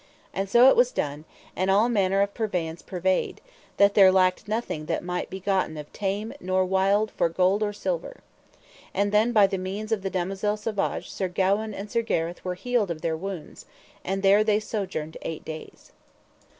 And so it was done, and all manner of purveyance purveyed, that there lacked nothing that might be gotten of tame nor wild for gold or silver. And then by the means of the damosel Savage Sir Gawaine and Sir Gareth were healed of their wounds; and there they sojourned eight days.